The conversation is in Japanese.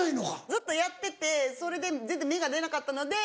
ずっとやっててそれで全然芽が出なかったので。